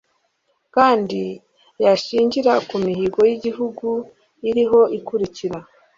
kandi yashingira ku mihigo y'igihugu iriho ikurikira